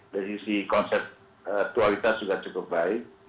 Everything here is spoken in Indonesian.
dan isi konsep dualitas juga cukup baik